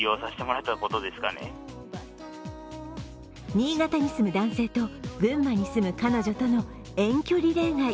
新潟に住む男性と群馬に住む彼女との遠距離恋愛。